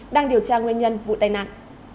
đang điều tra nguyên nhân vụ tài nạn